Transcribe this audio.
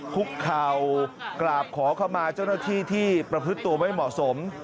คุกเข่ากราบขอเข้ามาเจ้าหน้าที่ที่ประพฤติตัวไม่เหมาะสม